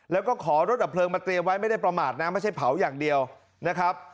แล้วก็ขอรถดับเพลิงมาเตรียมไว้ไม่ได้ประมาทนะไม่ใช่เผาอย่างเดียวนะครับ